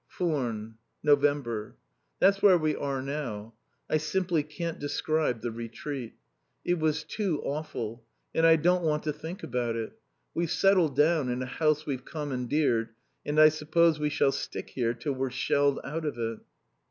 FURNES. November. That's where we are now. I simply can't describe the retreat. It was too awful, and I don't want to think about it. We've "settled" down in a house we've commandeered and I suppose we shall stick here till we're shelled out of it.